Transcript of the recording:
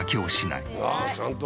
ちゃんと。